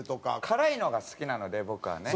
辛いのが好きなので僕はね。